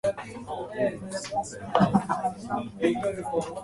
Louis Majorelle was another major figure in Art Nouveau furniture design.